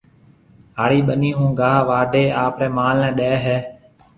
هاڙِي ٻنِي هون گاها واڍيَ اپريَ مال نَي ڏيَ هيَ۔